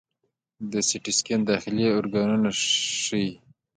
د سی ټي سکین داخلي ارګانونه ښيي.